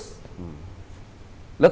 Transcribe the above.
kalau kita membangun tidak memiliki basic lawan